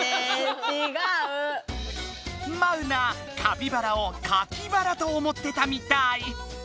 マウナカピバラをカキバラと思ってたみたい。